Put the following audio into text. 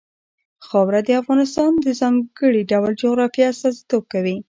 خاوره د افغانستان د ځانګړي ډول جغرافیه استازیتوب کوي.